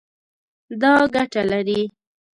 دا ګټه لري